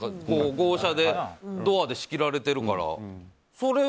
号車で、ドアで仕切られているから。